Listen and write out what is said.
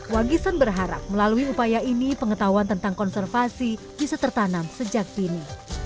wagisan berharap melalui upaya ini pengetahuan tentang konservasi bisa tertanam sejak dini